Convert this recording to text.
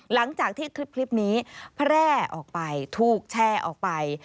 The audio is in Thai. หลังจากที่คลิปนี้แพร่ออกไปถูกแชร์ออกไป